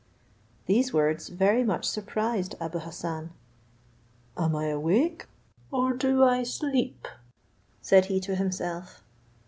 These words very much surprised Abou Hassan. "Am I awake, or do I sleep?" said he to himself.